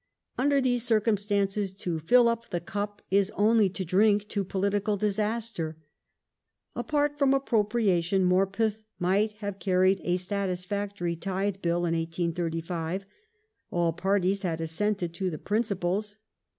Under these circumstances " to fill up the cup " is only to drink to political disaster. Apart from " appropriation," Morpeth might have carried a satisfactory Tithe Bill in 1835. All parties had assented to the principles.